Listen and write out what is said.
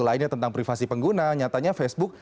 lainnya tentang privasi pengguna nyatanya facebook